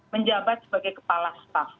menjabat sebagai kepala staff